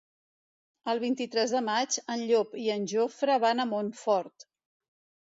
El vint-i-tres de maig en Llop i en Jofre van a Montfort.